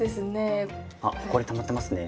あほこりたまってますね。